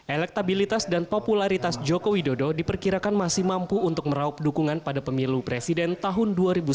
elektabilitas dan popularitas joko widodo diperkirakan masih mampu untuk meraup dukungan pada pemilu presiden tahun dua ribu sembilan belas